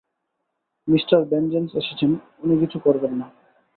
Mister Vengeance এসেছেন, উনি কিছু করবেন না।